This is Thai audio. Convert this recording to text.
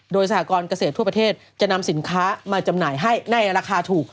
โดยสหกรเกษตรทั่วประเทศจะนำสินค้ามาจำหน่ายให้ในราคาถูก